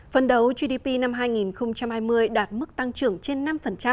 phần đầu gdp năm hai nghìn hai mươi đạt mức tăng trưởng trên năm